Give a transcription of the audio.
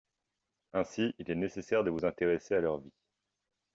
Ainsi, il est nécessaire de vous intéresser à leurs vies.